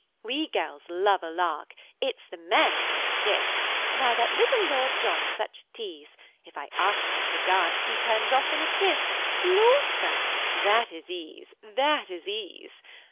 "We girls love a lark! It's the men who are stiff. Why that little Lord John's such a tease, If I ask him to dance, he turns off in a tiff, Law, Sir! that is ease! that is ease!